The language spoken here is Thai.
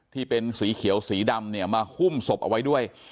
ที่เป็นสีเขียวสีดำเนี่ยมาหุ้มศพเอาไว้ด้วย